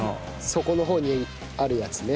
底の方にあるやつね。